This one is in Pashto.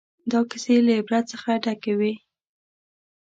دا کیسې له عبرت څخه ډکې وې.